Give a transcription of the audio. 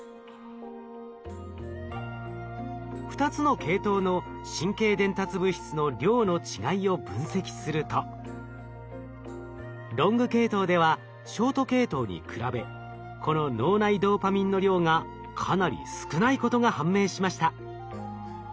２つの系統の神経伝達物質の量の違いを分析するとロング系統ではショート系統に比べこの脳内ドーパミンの量がかなり少ないことが判明しました。